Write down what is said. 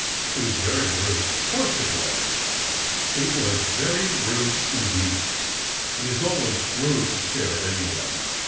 It was very rude. Of course it was. It was very rude indeed. It is always rude to stare at any one.